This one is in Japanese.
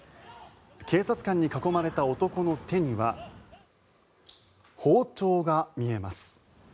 警察官に囲まれた男の手には包丁が見えます。